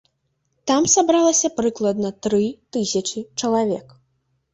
Там сабралася прыкладна тры тысячы чалавек.